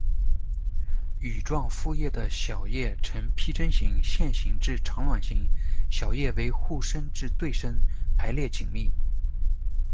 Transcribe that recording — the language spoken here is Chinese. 羽状复叶的小叶呈披针形、线形至长卵形；小叶为互生至对生，排列紧密。